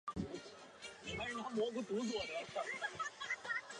梨叶悬钩子为蔷薇科悬钩子属的植物。